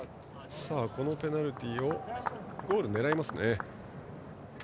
このペナルティーでゴール狙いますね。